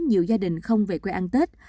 nhiều gia đình không về quê ăn tết